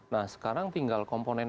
nah sekarang tinggal komponen